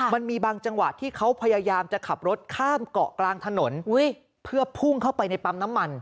มันมีบางจังหวะที่เขาพยายามจะขับรถข้ามเกาะกลางถนนเพื่อพุ่งเข้าไปในปั๊มน้ำมัน